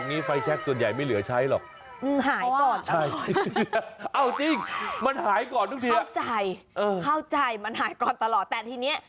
มันจะเหลือมันจะเป็นสีแบบนี้